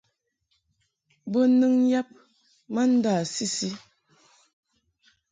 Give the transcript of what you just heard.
Bo nɨŋ yam ma ndâ-sisi.